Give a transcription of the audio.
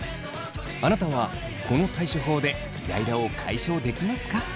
あなたはこの対処法でイライラを解消できますか？